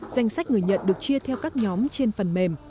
danh sách người nhận được chia theo các nhóm trên phần mềm